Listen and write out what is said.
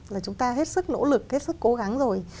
là chúng ta hết sức nỗ lực hết sức cố gắng rồi